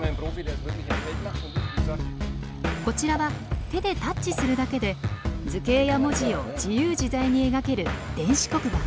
こちらは手でタッチするだけで図形や文字を自由自在に描ける電子黒板。